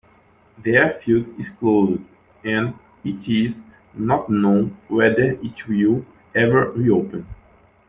The airfield is closed and it is not known whether it will ever reopen.